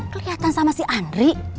keliatan sama si andri